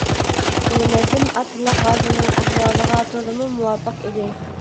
بۇ نەزم ئاتىلىق غازىنىڭ ئەھۋالىغا تولىمۇ مۇۋاپىق ئىدى.